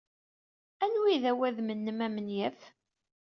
Anwa ay d awadem-nnem amenyaf?